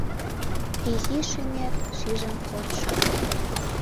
Изи шӱмет шижын кодшо!